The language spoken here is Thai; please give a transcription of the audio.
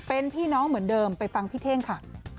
เป็นพี่น้องเหมือนเดิมไปฟังพี่เท่งค่ะ